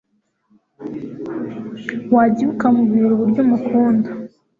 wagiye ukamubwira uburyo umukunda